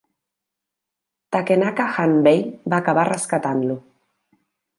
Takenaka Hanbei va acabar rescatant-lo.